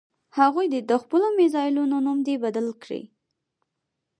هغوی دې د خپلو میزایلونو نوم دې بدل کړي.